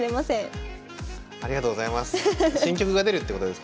ありがとうございます。